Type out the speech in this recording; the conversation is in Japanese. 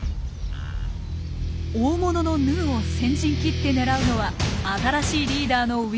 大物のヌーを先陣切って狙うのは新しいリーダーのウィンダ。